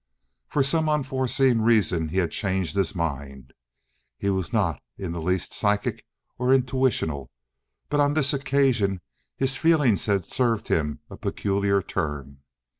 For some unforeseen reason he had changed his mind. He was not in the least psychic or intuitional, but on this occasion his feelings had served him a peculiar turn.